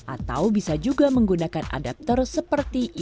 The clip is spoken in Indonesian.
atau bisa juga menggunakan adapter seperti e wallet